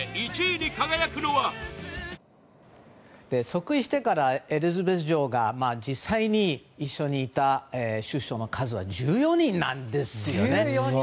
即位してからエリザベス女王が実際に一緒にいた首相の数は１４人なんですよね。